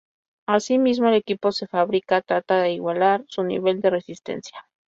Asimismo el equipo que se fabrica trata de igualar su nivel de resistencia.